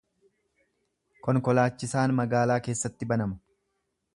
Konkolaachisaan magaalaa keessatti banama.